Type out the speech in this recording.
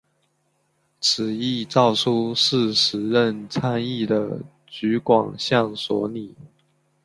此一诏书是时任参议的橘广相所拟。